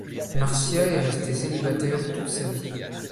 Marcia est restée célibataire toute sa vie.